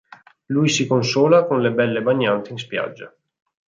Lui si consola con le belle bagnanti in spiaggia.